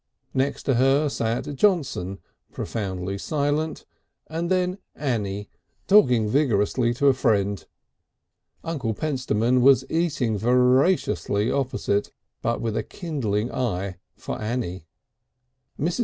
Next to her sat Johnson, profoundly silent, and then Annie, talking vigorously to a friend. Uncle Pentstemon was eating voraciously opposite, but with a kindling eye for Annie. Mrs.